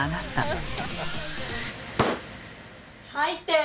最低！